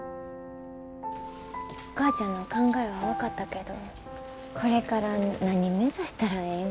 お母ちゃんの考えは分かったけどこれから何目指したらええんか。